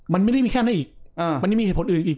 มันไม่ได้มีแค่นั้นอีกมันยังมีเหตุผลอื่นอีก